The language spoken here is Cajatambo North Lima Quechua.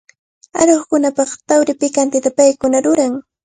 Aruqkunapaq tarwi pikantita paykuna ruran.